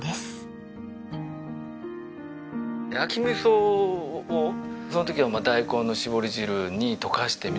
焼き味噌をその時は大根の搾り汁に溶かしてみたいな。